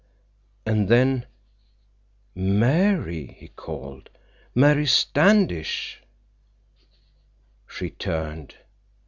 And then: "Mary!" he called. "Mary Standish!" She turned.